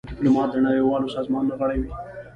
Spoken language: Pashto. ډيپلومات د نړېوالو سازمانونو غړی وي.